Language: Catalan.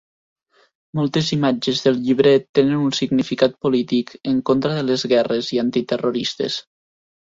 Moltes imatges del llibret tenen un significat polític en contra de les guerres i antiterroristes.